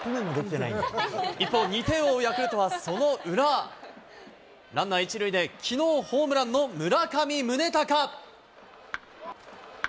一方、２点を追うヤクルトはその裏、ランナー１塁で、きのうホームランの村上宗隆。